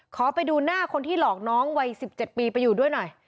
ขอไปดูหน้าคนที่หลอกน้องวัย๑๗ปีไปอยู่ด้วยหน่อย